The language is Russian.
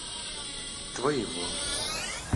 твоего